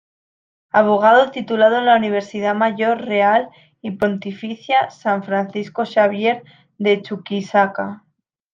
Abogado titulado en la Universidad Mayor Real y Pontificia San Francisco Xavier de Chuquisaca.